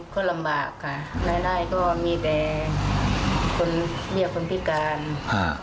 ก็ลำบากค่ะแน่นายก็มีแต่คนพิการ